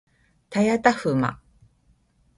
たやたふま